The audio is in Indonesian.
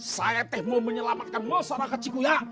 saya mau menyelamatkanmu sorak keciku ya